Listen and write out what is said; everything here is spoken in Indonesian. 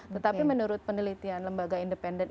tetapi menurut penelitian lembaga independen